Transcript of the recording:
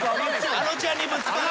あのちゃんにぶつかる。